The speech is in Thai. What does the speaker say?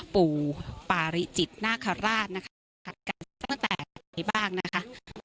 ปู่ปาริจิตนาคาราชนะคะตั้งแต่ไหนบ้างนะคะ